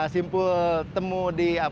simpul temu di